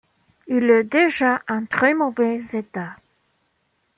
Il est déjà en très mauvais état.